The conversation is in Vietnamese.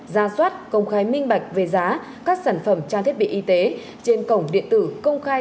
ra soát công khai minh bạch về giá các sản phẩm trang thiết bị y tế trên cổng điện tử công khai